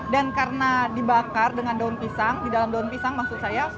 dan karena dibakar dengan daun pisang di dalam daun pisang maksud saya